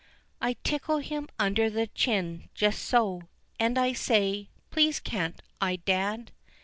I tickle him under the chin just so And I say, "Please can't I, dad?"